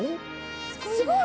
すごい！